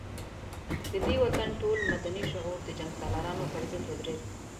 د دې وطن ټول مدني شعور د جنګ سالارانو پر ضد ودرېد.